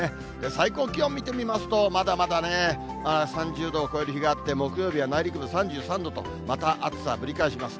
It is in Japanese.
最高気温見てみますとまだまだね、３０度を超える日があって、木曜日は内陸部３３度と、また暑さぶり返します。